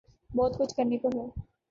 بہت کچھ کرنے کو ہے۔